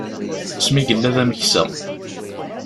Asmi yella d ameksa.